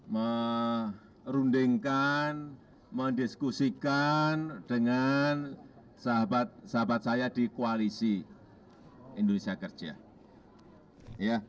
merundingkan mendiskusikan dengan sahabat sahabat saya di koalisi indonesia kerja